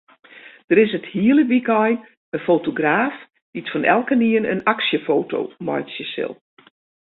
Der is it hiele wykein in fotograaf dy't fan elkenien in aksjefoto meitsje sil.